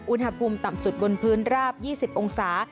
อุณหภูมิต่ำสุดบนพื้นราบ๒๐องศา